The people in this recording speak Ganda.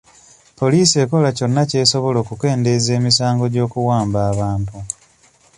Poliisi ekola kyonna ky'esobola okukendeeza emisango gy'okuwamba abantu.